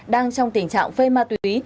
đang trong tình trạng phê ma túy